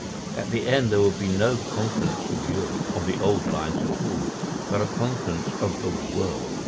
At the end there will be no Conference of Europe on the old lines at all, but a Conference of the World.